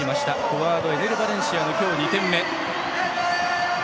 フォワードエネル・バレンシアの今日２点目。